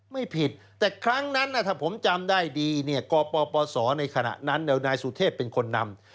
ไม่ผิดแต่ครั้งนั้นถ้าผมจำได้ดีเนี่ยกปปศในขณะนั้นนายสุเทพเป็นคนนำ